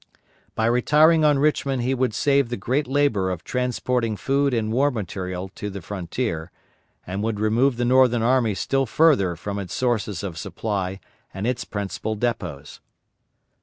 By retiring on Richmond he would save the great labor of transporting food and war material to the frontier, and would remove the Northern army still further from its sources of supply and its principal depots.